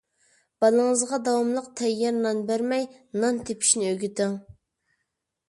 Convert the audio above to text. بالىڭىزغا داۋاملىق تەييار نان بەرمەي، نان تېپىشنى ئۆگىتىڭ.